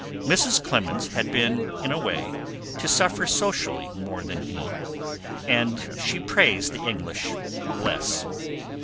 Mrs. Clemens had been in a way to suffer socially more than he, and she praised the English less.